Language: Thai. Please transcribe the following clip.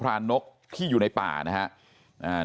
แล้วผมเป็นเพื่อนกับพระนกแต่ผมก็ไม่เคยช่วยเหลือเสียแป้ง